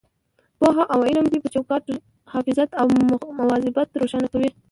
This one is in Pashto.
پوهه او علم دی چې د چوکاټ حفاظت او مواظبت روښانه کوي.